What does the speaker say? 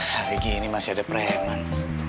hari gini masih ada preheman